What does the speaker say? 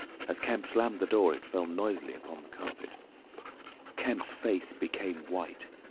As Kemp slammed the door it fell noisily upon the carpet. Kemp's face became white.